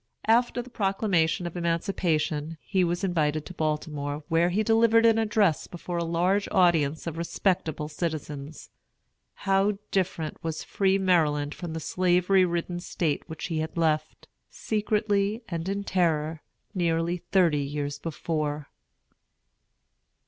After the Proclamation of Emancipation he was invited to Baltimore, where he delivered an address before a large audience of respectable citizens. How different was free Maryland from the Slavery ridden State which he had left, secretly and in terror, nearly thirty years before!